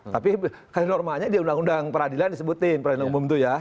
tapi normalnya di undang undang peradilan disebutin peradilan umum itu ya